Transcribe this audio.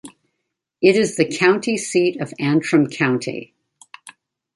It is the county seat of Antrim County.